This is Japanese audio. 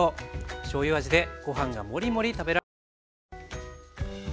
しょうゆ味でご飯がモリモリ食べられます。